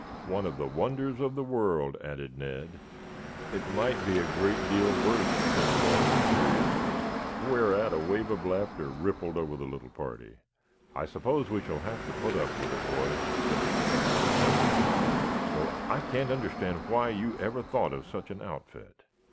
"One of the wonders of the world," added Ned. "It might be a great deal worse," said Walter seriously, whereat a wave of laughter rippled over the little party. "I suppose we shall have to put up with it, boys," said the Professor reflectively, "though I can't understand why you ever thought of such an outfit.